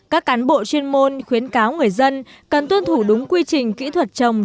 các cán bộ chuyên môn khuyến cáo người dân cần tuân thủ đúng quy trình kỹ thuật trồng